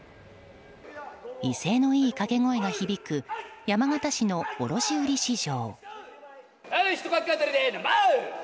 威勢のいい掛け声が響く山形市の卸売市場。